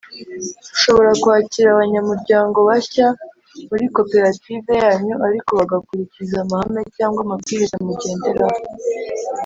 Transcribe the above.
Ushobora kwakira abanyamuryango bashya muri koperative yanyu ariko bagakurikiza amahame cyangwa amabwiriza mu genderaho